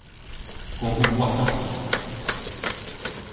Qu'on vous croie sorti.